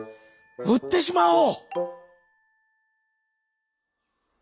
うってしまおう」。